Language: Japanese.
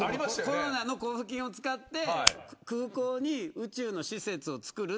コロナの交付金を使って空港に宇宙の施設を造る。